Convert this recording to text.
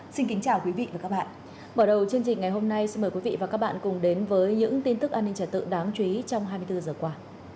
xin chào các bạn cùng đến với những tin tức an ninh trẻ tự đáng chú ý trong hai mươi bốn h qua